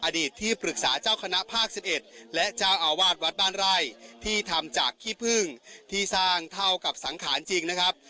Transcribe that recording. อดีตที่ปรึกษาเจ้าคณะภาค๑๑และเจ้าอาวาสวัดบ้านไร่ที่ทำจากขี้พึ่งที่สร้างเท่ากับสังขารจริงนะครับ